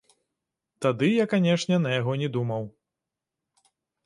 Тады я, канешне, на яго не думаў.